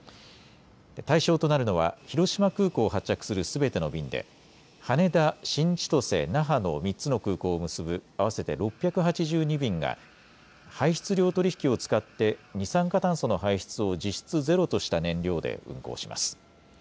対象となるのは広島空港を発着するすべての便で羽田、新千歳、那覇の３つの空港を結ぶ合わせて６８２便が排出量取引を使って二酸化炭素の排出を実質ゼロとした燃料で運航します。